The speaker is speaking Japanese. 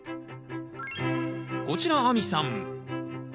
こちら亜美さん。